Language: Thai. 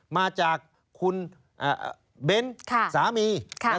มาจากคุณเบ้นสามี